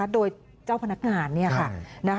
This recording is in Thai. โดยเจ้าพนักงาน